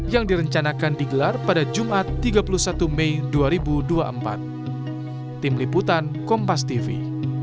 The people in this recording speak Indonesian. yang direncanakan digelar pada jumat tiga puluh satu mei dua ribu dua puluh empat